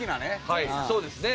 はいそうですね。